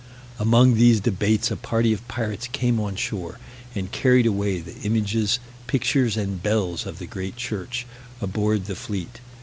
Among these debates a party of pirates came on shore, and carried away the images, pictures, and bells of the great church, aboard the fleet.